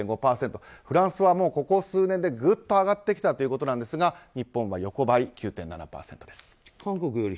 フランスはここ数年で、ぐっと上がってきたということですが日本は横ばいで９．７％です。